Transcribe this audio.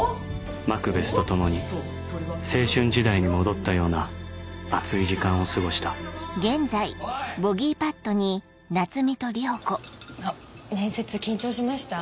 マクベスと共に青春時代に戻ったような熱い時間を過ごした面接緊張しました？